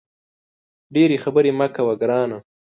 ډېري خبري مه کوه ګرانه !